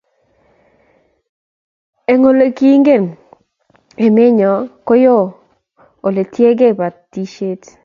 Eng' ole kingen emenyo ko yoo ole tiegei batishet